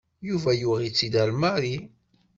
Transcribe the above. Yuba yuɣ-itt-id ɣer Mary.